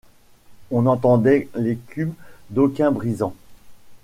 On n’entendait l’écume d’aucun brisant.